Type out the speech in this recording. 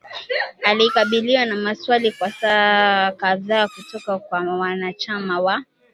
alikabiliwa na maswali kwa saa kadhaa kutoka kwa wanachama wa